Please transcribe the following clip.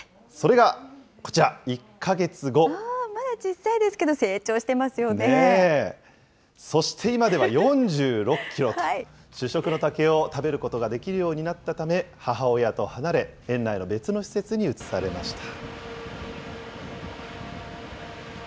まだ小さいですけど、成長しそして今では４６キロと、主食の竹を食べることができるようになったため、母親と離れ、園内の別の施設に移されました。